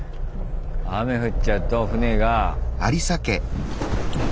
雨降っちゃうと船が。